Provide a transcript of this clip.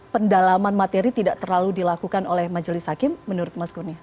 pendalaman materi tidak terlalu dilakukan oleh majelis hakim menurut mas kuni